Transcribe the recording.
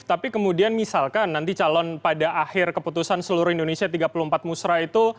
tapi kemudian misalkan nanti calon pada akhir keputusan seluruh indonesia tiga puluh empat musra itu